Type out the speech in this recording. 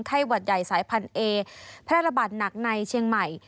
หวัดใหญ่สายพันธุ์เอแพร่ระบาดหนักในเชียงใหม่